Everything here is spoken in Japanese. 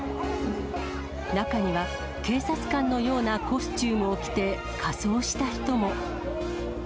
中には警察官のようなコスチュームを着て仮装した人も。